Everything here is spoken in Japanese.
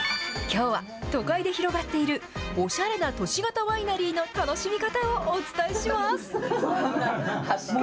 きょうは、都会で広がっているおしゃれな都市型ワイナリーの楽しみ方をお伝えします。